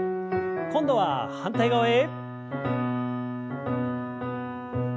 今度は反対側へ。